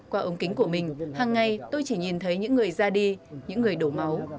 qua ống kính của mình hằng ngày tôi chỉ nhìn thấy những người ra đi những người đổ máu